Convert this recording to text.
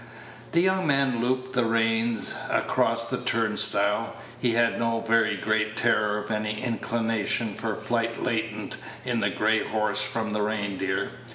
The young man looped the reins across the turnstile. He had no very great terror of any inclination for flight latent in the gray horse from the "Reindeer."